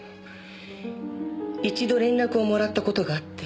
一度連絡をもらった事があって。